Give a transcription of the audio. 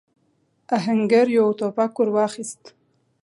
آهنګر يو ټوپک ور واخيست.